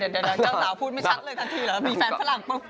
เดี๋ยวเจ้าสาวพูดไม่ชัดเลยทันทีเหรอมีแฟนฝรั่งปุ๊บ